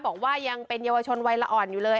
บอกว่ายังเป็นเยาวชนวัยละอ่อนอยู่เลย